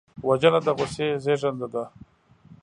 وژنه د غصې زېږنده ده